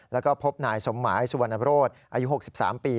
แล้วก็พบนายสมหมายสุวรรณโรศอายุ๖๓ปี